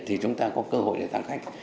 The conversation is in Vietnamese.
thì chúng ta có cơ hội để tăng khách